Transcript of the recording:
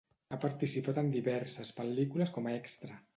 Ha participat en diverses pel·lícules com a extra.